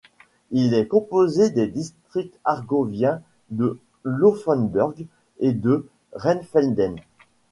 Il est composé des districts argoviens de Laufenburg et de Rheinfelden.